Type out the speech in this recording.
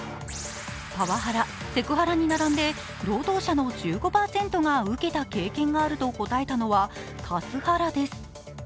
パワハラ、セクハラに並んで労働者の１５％が受けた経験があると答えたのはカスハラです。